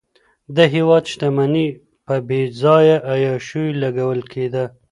د هېواد شتمني په بېځایه عیاشیو لګول کېده.